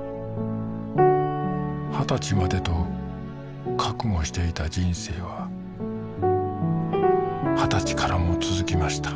「二十歳まで」と覚悟していた人生は二十歳からも続きました